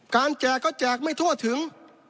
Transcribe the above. แจกก็แจกไม่ทั่วถึง